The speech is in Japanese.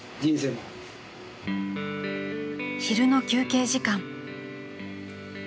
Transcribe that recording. ［昼の休憩時間］